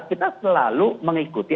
kita selalu mengikuti